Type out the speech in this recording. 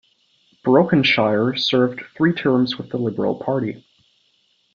Brokenshire served three terms with the Liberal Party.